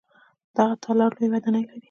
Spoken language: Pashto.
دغه تالار لویه ودانۍ لري.